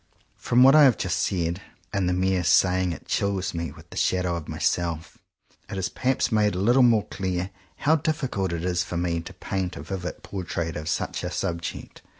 From what I have just said — and the mere saying it chills me with the shadow of myself — it is perhaps made a little more clear how difficult it is for me to paint a vivid portrait of such a subject.